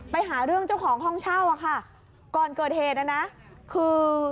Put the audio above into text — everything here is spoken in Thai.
ไปหาเรื่องเจ้าของห้องเช่าอ่ะค่ะก่อนเกิดเหตุนะนะคือ